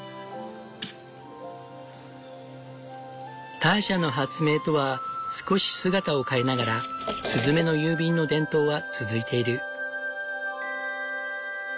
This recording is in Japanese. ターシャの発明とは少し姿を変えながらスズメの郵便の伝統は続いている。